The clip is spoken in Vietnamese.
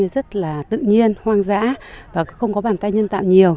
rất là tự nhiên hoang dã và không có bàn tay nhân tạo nhiều